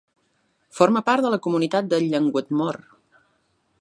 Forma part de la Comunitat de Llangoedmor.